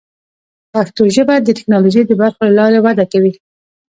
پښتو ژبه د ټکنالوژۍ د برخو له لارې وده کوي.